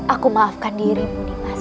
aku maafkan dirimu nimas